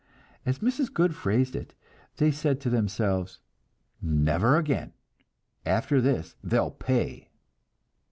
As Mrs. Goode phrased it, they said to themselves: "Never again! After this, they'll pay!"